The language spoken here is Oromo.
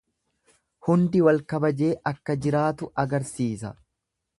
Hundi wal kabajee akka jiraatu agarsiisa.